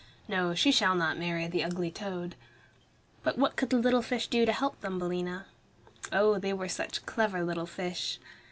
"No, she shall not marry the ugly toad." But what could the little fish do to help Thumbelina? Oh! they were such clever little fish!